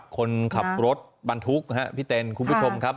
คนขับรถบันทุกข์พี่เตนคุณผู้ชมครับ